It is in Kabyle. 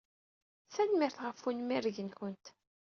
Tanemmirt ɣef unmireg-nwent.